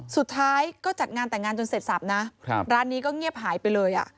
สุดท้ายก็จัดงานแต่งงานจนเสร็จสับนะร้านนี้ก็เงียบหายไปเลย